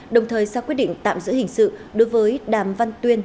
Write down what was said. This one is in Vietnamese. đồng thời ra quyết định tạm giữ hình sự đối với đàm văn tuyên